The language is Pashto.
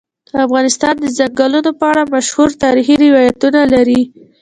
افغانستان د چنګلونه په اړه مشهور تاریخی روایتونه لري.